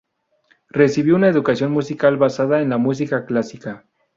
Recibió una educación musical basada en la música clásica.